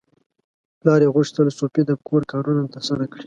پلار یې غوښتل سوفي د کور کارونه ترسره کړي.